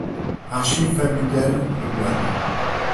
Archives familiales Lemoine.